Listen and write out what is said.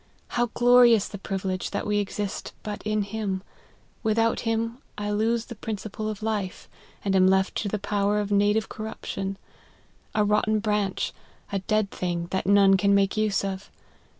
How glorious the privilege that we exist but in him ; without him I lose the principle of life, and am left to the power of native corrup tion, a rotten branch, a dead thing, that none can make use of.